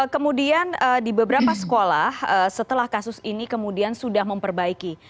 kemudian di beberapa sekolah setelah kasus ini kemudian sudah memperbaiki